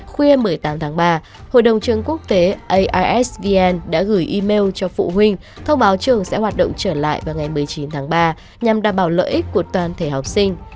khuya một mươi tám tháng ba hội đồng trường quốc tế aisvn đã gửi email cho phụ huynh thông báo trường sẽ hoạt động trở lại vào ngày một mươi chín tháng ba nhằm đảm bảo lợi ích của toàn thể học sinh